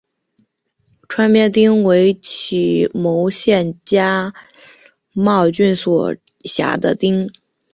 川边町为岐阜县加茂郡所辖的町。